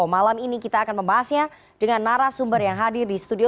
malam ini kita akan membahasnya dengan narasumber yang hadir di studio